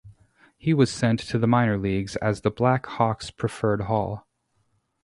He was sent to the minor leagues as the Black Hawks preferred Hall.